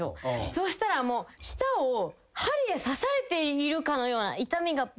そしたら舌を針で刺されているかのような痛みがぶわーって走って。